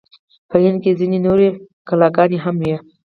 په هند کې ځینې نورې کلاګانې هم وې.